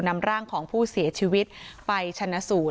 นำร่างของผู้เสียชีวิตไปชนะสูตร